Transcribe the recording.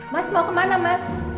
mas mau kemana mas